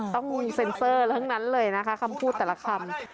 ต้องเซ็นเซอร์ทั้งนั้นเลยนะคะคำพูดแต่ละคำ